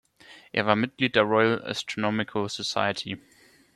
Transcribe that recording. Er war Mitglied der Royal Astronomical Society.